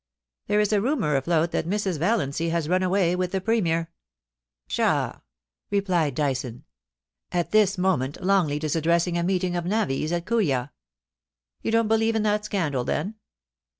* 'There is a rumour afloat that Mrs. Valiancy has run away with the Premier.' SINISTER OMENS. 367 ' Pshaw !' replied Dyson, ' At this moment Longleat is addressing a meeting of navvies at Kooya.' ' You don't believe in that scandal, then